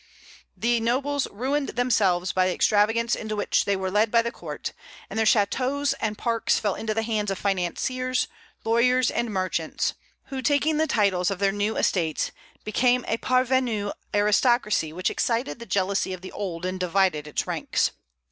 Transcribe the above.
The nobles ruined themselves by the extravagance into which they were led by the court, and their châteaux and parks fell into the hands of financiers, lawyers, and merchants, who, taking the titles of their new estates, became a parvenu aristocracy which excited the jealousy of the old and divided its ranks."